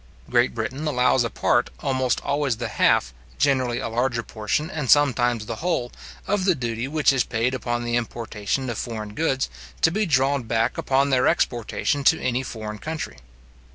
Great Britain allows a part, almost always the half, generally a larger portion, and sometimes the whole, of the duty which is paid upon the importation of foreign goods, to be drawn back upon their exportation to any foreign country.